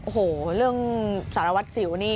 โอ้โหเรื่องสารวัตรสิวนี่